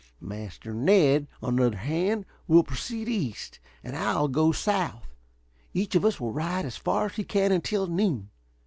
Master Ned, on the other hand, will proceed east, and I'll go south. Each of us will ride as far as he can until noon.